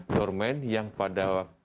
doorman yang pada waktu itu